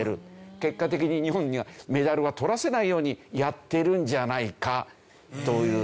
結果的に日本にメダルはとらせないようにやってるんじゃないか？という。